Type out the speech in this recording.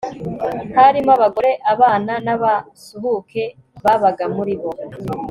harimo abagore, abana n'abasuhuke babaga muri bo